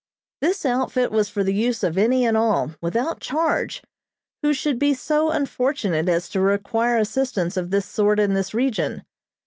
This outfit was for the use of any and all, without charge, who should be so unfortunate as to require assistance of this sort in this region.